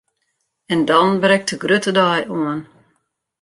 En dan brekt de grutte dei oan!